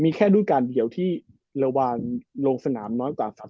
มีแค่รูปการณ์เดียวที่ระวานลงสนามน้อยกว่า๓๐